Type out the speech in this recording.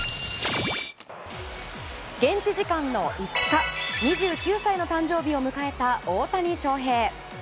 現地時間の５日２９歳の誕生日を迎えた大谷翔平。